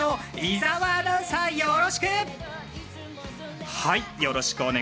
井澤アナウンサー、よろしく！